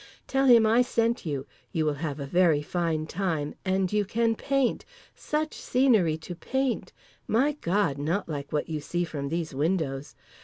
Tell him I sent you. You will have a very fine time, and you can paint: such scenery to paint! My God—not like what you see from these windows.